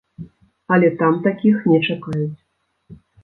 Але там такіх не чакаюць.